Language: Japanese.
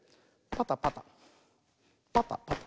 パタパタパタパタ。